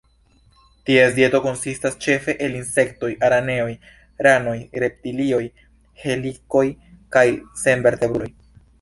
Ties dieto konsistas ĉefe el insektoj, araneoj, ranoj, reptilioj, helikoj kaj senvertebruloj.